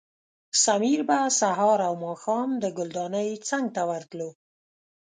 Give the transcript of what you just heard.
سمیر به سهار او ماښام د ګلدانۍ څنګ ته ورتلو.